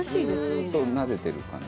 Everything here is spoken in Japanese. ずっとなでてる感じ。